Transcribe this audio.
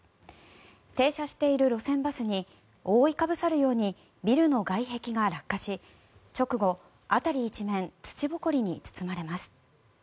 停車している路線バスに覆いかぶさるようにビルの外壁が落下し直後、辺り一面土ぼこりに包まれます。